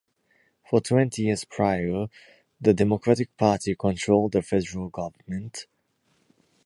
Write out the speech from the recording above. For twenty years prior, the Democratic Party controlled the Federal Government.